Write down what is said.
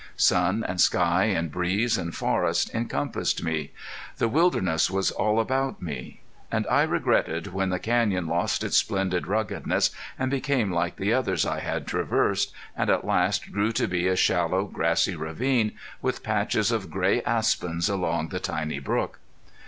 Sun and sky and breeze and forest encompassed me. The wilderness was all about me; and I regretted when the canyon lost its splendid ruggedness, and became like the others I had traversed, and at last grew to be a shallow grassy ravine, with patches of gray aspens along the tiny brook.